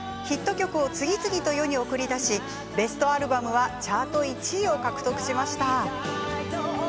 ヒット曲を次々と世に送り出しベストアルバムはチャート１位を獲得しました。